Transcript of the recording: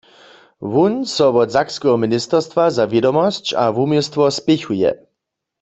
Wón so wot Sakskeho ministerstwa za wědomosć a wuměłstwo spěchuje.